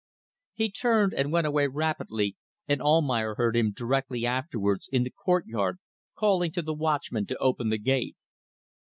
He turned and went away rapidly, and Almayer heard him directly afterwards in the courtyard calling to the watchman to open the gate.